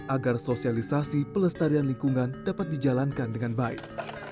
agar sosialisasi pelestarian lingkungan dapat dijalankan dengan baik